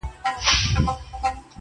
ستا د غېږي یو ارمان مي را پوره کړه,